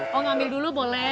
oh ngambil dulu boleh